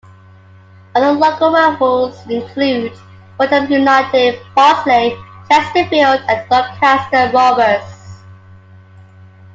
Other local rivals include Rotherham United, Barnsley, Chesterfield and Doncaster Rovers.